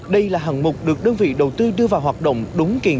đây là hạng mục được đơn vị đầu tư đưa vào hoạt động đúng kiện